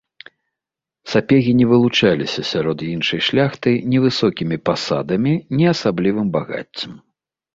Сапегі не вылучаліся сярод іншай шляхты ні высокімі пасадамі, ні асаблівым багаццем.